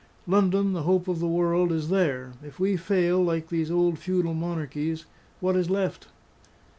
Loudon, the hope of the world is there. If we fail, like these old feudal monarchies, what is left?"